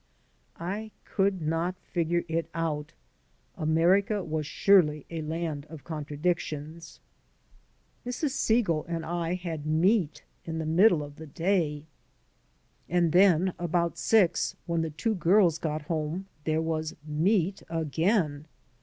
I could not figure it out. America was surely a land of contradictions. Mrs. Segal and I had meat in the middle of the day, 76 THE IMMIGRANT'S AMERICA and then about six, when the two girls got home» there was meat again.